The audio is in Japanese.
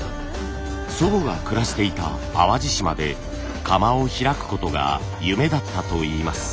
祖母が暮らしていた淡路島で窯を開くことが夢だったといいます。